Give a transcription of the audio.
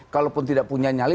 kalaupun tidak punya nyali